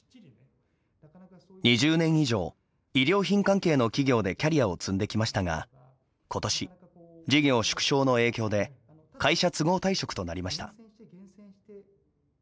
２０年以上、衣料品関係の企業でキャリアを積んできましたが今年、事業縮小の影響で会社都合退職となりました。